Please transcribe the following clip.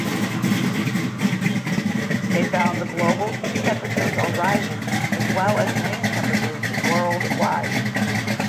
They found the global sea temperatures are rising as well as land temperatures worldwide.